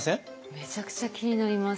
めちゃくちゃ気になります。